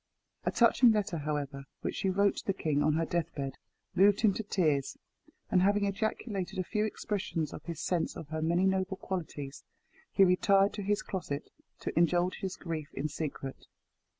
A touching letter, however, which she wrote to the king on her death bed, moved him to tears; and having ejaculated a few expressions of his sense of her many noble qualities, he retired to his closet to indulge his grief in secret.